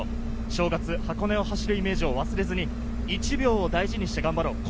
正月、箱根を走るイメージを忘れずに１秒を大事にして頑張ろう。